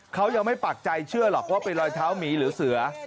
เขายังไม่ปักใจเชื่อหรอกว่าเป็นรอยเท้าหมีหรือเสือ